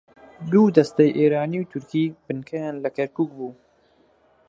دوو دەستەی ئێرانی و تورکی بنکەیان لە کەرکووک بوو